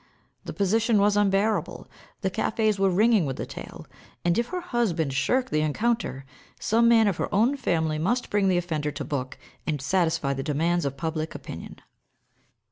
The position was unbearable; the cafés were ringing with the tale; and, if her husband shirked the encounter, some man of her own family must bring the offender to book and satisfy the demands of public opinion.